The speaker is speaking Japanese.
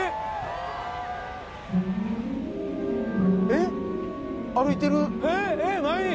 えっ歩いてる。